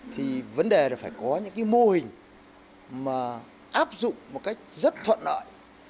thì vấn đề là phải có những cái mô hình mà áp dụng một cách rất thuận lợi